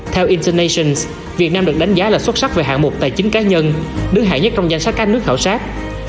theo internations việt nam được đánh giá là xuất sắc về hạng mục tài chính cá nhân đứng hạng nhất trong danh sách các nước khảo sát